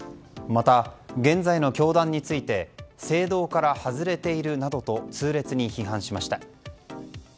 また、現在の教団について正道から外れているなどと痛烈に批判しました。